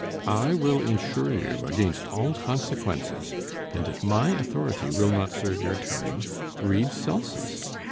I will insure you against all consequences; and if my authority will not serve your turn, read Celsus.